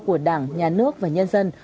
của đảng nhà nước và nhân dân